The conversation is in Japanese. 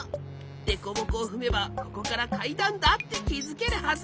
デコボコをふめばここからかいだんだってきづけるはず！